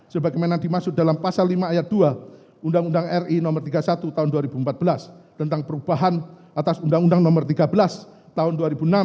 sebagaimana dimaksud dalam pasal lima ayat dua undang undang ri no tiga puluh satu tahun dua ribu empat belas tentang perubahan atas undang undang nomor tiga belas tahun dua ribu enam